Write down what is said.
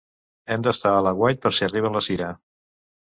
Hem d'estar a l'aguait per si arriba la Sira.